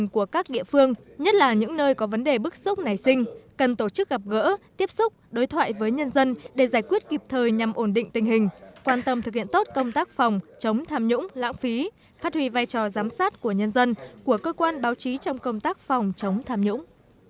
các địa phương nhất là những nơi có vấn đề bức xúc nảy sinh cần tổ chức gặp gỡ tiếp xúc đối thoại với nhân dân để giải quyết kịp thời nhằm ổn định tình hình quan tâm thực hiện tốt công tác phòng chống tham nhũng lãng phí phát huy vai trò giám sát của nhân dân của cơ quan báo chí trong công tác phòng chống tham nhũng